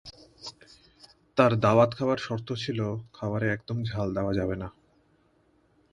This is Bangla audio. তাঁর দাওয়াত খাবার শর্ত ছিল, খাবারে একদম ঝাল দেওয়া যাবে না।